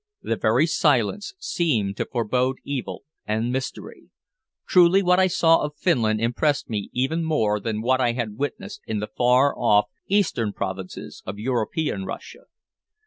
The very silence seemed to forbode evil and mystery. Truly what I saw of Finland impressed me even more than what I had witnessed in the far off eastern provinces of European Russia.